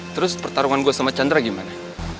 terus pertarungan gue sama chandra gimana